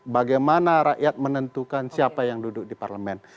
bagaimana rakyat menentukan siapa yang duduk di parlemen